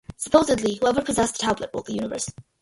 Supposedly, whoever possessed the tablet ruled the universe.